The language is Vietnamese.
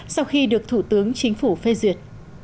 sau khi được thủ tướng chính phủ phê duyệt